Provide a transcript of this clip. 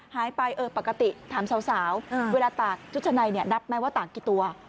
เออปกติถามสาวเวลาตากชุดชะในนับไหมว่าตากกี่ตัว